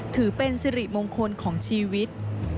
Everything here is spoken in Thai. ถือเป็นสิริมงคลของชีวิต